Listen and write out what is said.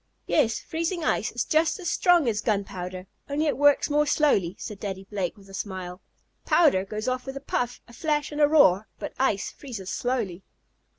"Yes, freezing ice is just as strong as gunpowder, only it works more slowly," said Daddy Blake with a smile. "Powder goes off with a puff, a flash and a roar, but ice freezes slowly."